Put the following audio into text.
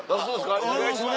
お願いします。